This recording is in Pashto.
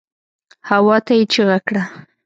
هواته يې چيغه کړه.